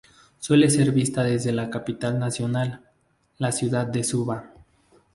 Puede ser vista desde la capital nacional, la ciudad de Suva.